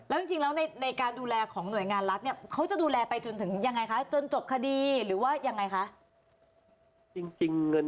แล้วจริงแล้วในการดูแลของหน่วยงานรัฐเนี่ยเขาจะดูแลไปจนถึงยังไงคะจนจบคดีหรือว่ายังไงคะ